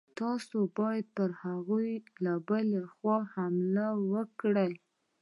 تاسي باید پر هغوی له بلې خوا حمله وکړئ.